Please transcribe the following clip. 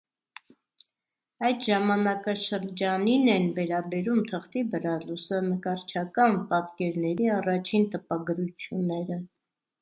Այդ ժամանակաշրջանին են վերաբերում թղթի վրա լուսանկարչական պատկերների առաջին տպագրությունները։